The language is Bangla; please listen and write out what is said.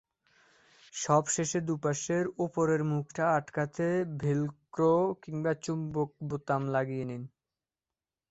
সবশেষে দুপাশের ওপরের মুখটা আটকাতে ভেলক্রো কিংবা চুম্বক বোতাম লাগিয়ে নিন।